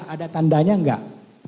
ada tandanya enggak